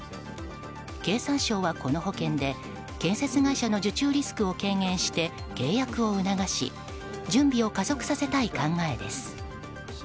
経産省は、この保険で建設会社の受注リスクを軽減して契約を促し準備を加速させたい考えです。